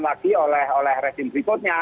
lagi oleh resim berikutnya